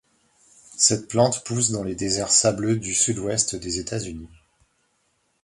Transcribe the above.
Cette plante pousse dans les déserts sableux du sud-ouest des États-Unis.